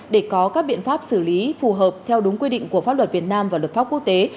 để có các biện pháp xử lý phù hợp theo đúng quy định của pháp luật việt nam và luật pháp quốc tế